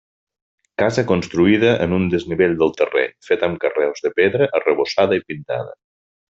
Casa construïda en un desnivell del terreny, feta amb carreus de pedra, arrebossada i pintada.